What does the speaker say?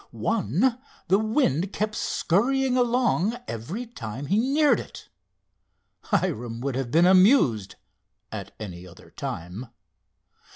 One the wind kept scurrying along every time he neared it. Hiram would have been amused at any other time.